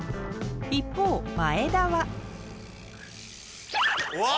一方前田は・わ！